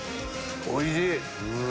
おいしい！